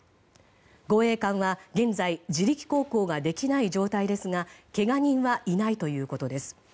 護衛艦は現在自力航行ができない状態ですがけが人はいないということです。